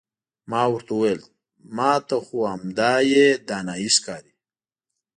ما ورته وویل ما ته خو همدایې دانایي ښکاري.